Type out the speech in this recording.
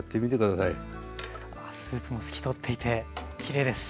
スープも透き通っていてきれいです。